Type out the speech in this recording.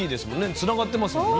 つながってますもんね。